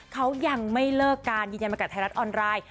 เขายังไม่เลิกการยืนยันมากับไทยรัฐออนไลน์